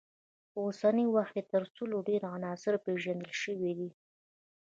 په اوسني وخت کې تر سلو ډیر عناصر پیژندل شوي دي.